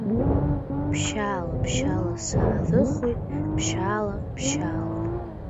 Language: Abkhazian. Ԥшьаала, ԥшьаала, сарыххоит, ԥшьаала, ԥшьаала…